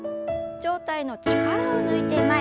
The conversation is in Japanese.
上体の力を抜いて前。